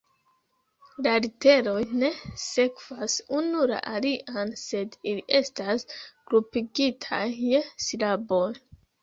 La literoj ne sekvas unu la alian, sed ili estas grupigitaj je silaboj.